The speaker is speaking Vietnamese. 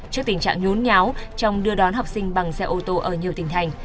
trước tình trạng nhốn nháo trong đưa đón học sinh bằng xe ô tô ở nhiều tình thành